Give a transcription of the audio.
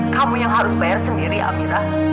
kamu yang harus bayar sendiri amira